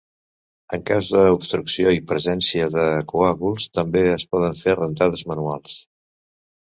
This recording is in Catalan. En cas d'obstrucció i presència de coàguls, també es poden fer rentades manuals.